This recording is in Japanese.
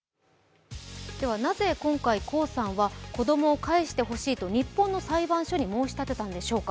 なぜ今回、江さんは子供を返してほしいと日本の裁判所に申し立てたんでしょうか。